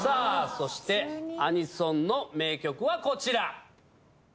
そしてアニソンの名曲はこちら。